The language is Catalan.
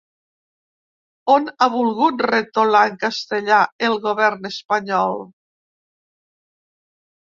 On ha volgut retolar en castellà el govern espanyol?